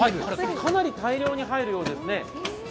かなり大量に入るようですね。